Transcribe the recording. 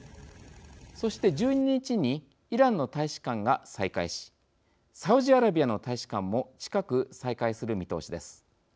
そして、１２日にイランの大使館が再開しサウジアラビアの大使館も近く再開する見通しです。